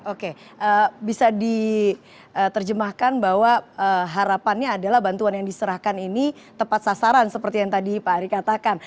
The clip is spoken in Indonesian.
oke bisa diterjemahkan bahwa harapannya adalah bantuan yang diserahkan ini tepat sasaran seperti yang tadi pak ari katakan